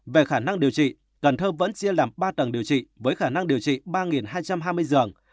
về khả năng điều trị cần thơ vẫn chia làm ba tầng điều trị với khả năng điều trị ba hai trăm hai mươi giường